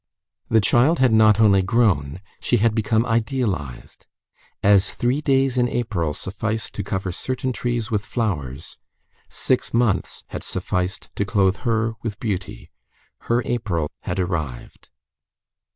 This child had not only grown, she had become idealized. As three days in April suffice to cover certain trees with flowers, six months had sufficed to clothe her with beauty. Her April had arrived.